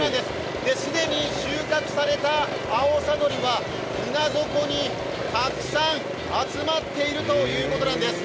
既に収穫された青さのりは舟底にたくさん集まっているということなんです。